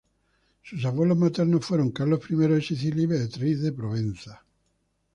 Sus abuelos maternos fueron Carlos I de Sicilia y Beatriz de Provenza.